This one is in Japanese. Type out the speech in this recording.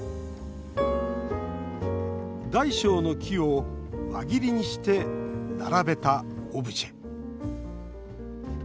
大小の木を輪切りにして並べたオブジェ。